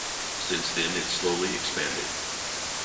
Since then it slowly expanded.